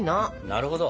なるほど。